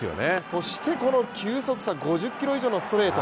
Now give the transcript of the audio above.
そしてこの球速差、５０キロ以上のストレート。